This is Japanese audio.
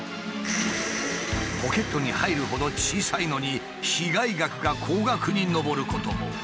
ポケットに入るほど小さいのに被害額が高額に上ることも。